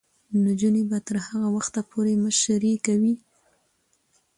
نجونې به تر هغه وخته پورې مشري کوي.